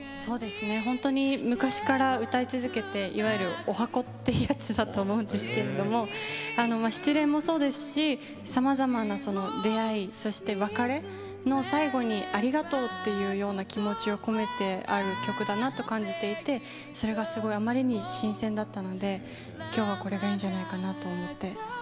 本当に昔から歌い続けてるいわゆるおはこっていうやつだと思うんですけど失恋もそうですしさまざまな出会いそして、別れの最後にありがとうという気持ちを込めて愛の曲だなって感じていてそれがすごいあまりに新鮮だったのできょうは、これがいいんじゃないかなと思って。